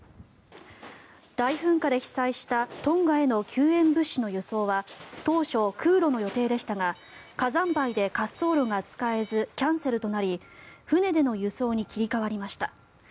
大噴火で被災したトンガへの救援物資の輸送は当初、空路の予定でしたが火山灰で滑走路が使えずキャンセルとなり船での輸送に切り替わりました。